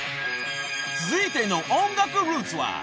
［続いての音楽ルーツは］